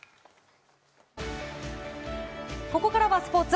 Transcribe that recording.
ここからはスポーツ。